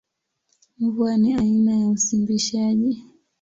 Mvua ni aina ya usimbishaji.